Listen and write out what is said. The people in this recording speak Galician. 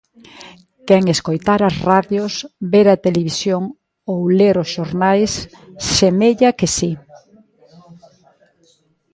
Quen escoitar as radios, ver a televisión ou ler os xornais, semella que si.